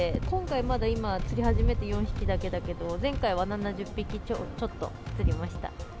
今回まだ、今、釣り始めて４匹だけだけど、前回は７０匹ちょっと釣れました。